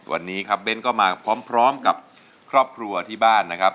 วันนี้ครับเบ้นก็มาพร้อมกับครอบครัวที่บ้านนะครับ